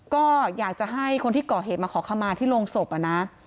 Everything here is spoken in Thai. ก็อยากจะให้คนที่ก่อเหตุมาขอขมาที่โรงศพอะนะ